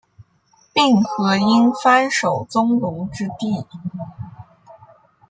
并河因幡守宗隆之弟。